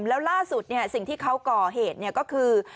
แล้วล่าสุดสิ่งที่เขาก่อเหตุก็คือ